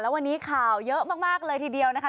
วันนี้ข่าวเยอะมากเลยทีเดียวนะคะ